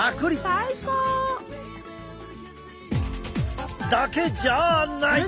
最高！だけじゃない！